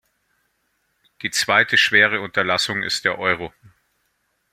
Die zweite schwere Unterlassung ist der Euro.